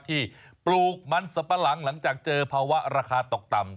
ปลูกมันสับปะหลังหลังจากเจอภาวะราคาตกต่ำ